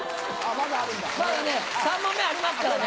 まだね３問目ありますからね。